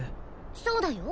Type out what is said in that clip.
そうだよ